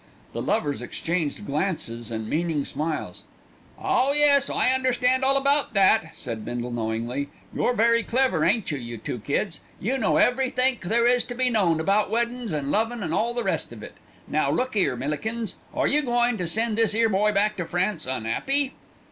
The lovers exchanged glances and meaning smiles. "Oh, yes! I understand all about that," said Bindle knowingly. "You're very clever, ain't you, you two kids? You know everythink there is to be known about weddin's, an' lovin' and all the rest of it. Now look 'ere, Millikins, are you goin' to send this 'ere boy back to France un'appy?"